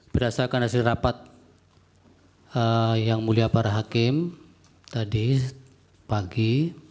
berdasarkan hasil rapat yang mulia para hakim tadi pagi